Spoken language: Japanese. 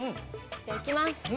じゃいきます。